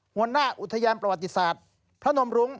หัวหน้าอุทยานประวัติศาสตร์พระนมรุ้ง